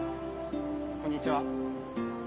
こんにちは